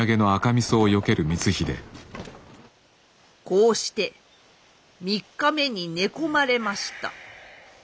こうして３日目に寝込まれました。